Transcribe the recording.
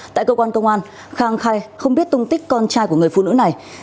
tại cơ quan công an khang khai không biết tung tích con trai của người phụ nữ này